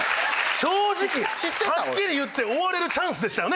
正直はっきり言って終われるチャンスでしたよね。